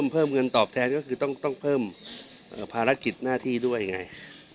เพิ่มเงินตอบแทนก็คือต้องเพิ่มภารกิจหน้าที่ด้วยไง